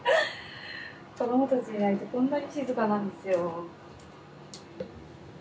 子どもたちいないとこんなに静かなんですよ。